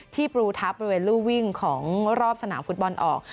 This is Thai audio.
ปลูทับบริเวณรูวิ่งของรอบสนามฟุตบอลออก